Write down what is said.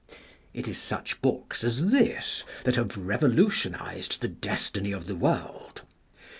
It is such books as this that have revolutionized the destiny of the world.